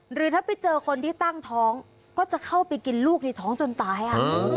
หรือถ้าไปเจอคนที่ตั้งท้องก็จะเข้าไปกินลูกในท้องจนตาย